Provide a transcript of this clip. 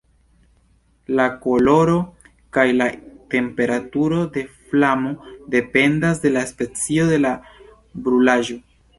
La koloro kaj la temperaturo de flamo dependas de la specio de la brulaĵo.